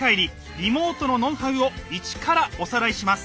リモートのノウハウをイチからおさらいします。